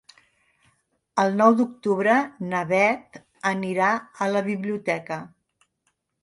El nou d'octubre na Bet anirà a la biblioteca.